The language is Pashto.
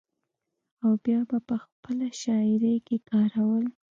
او بيا به پۀ خپله شاعرۍ کښې کارول ۔